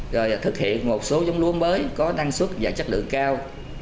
rồi thực hiện một số giống lúa mới có năng suất và chất lượng cao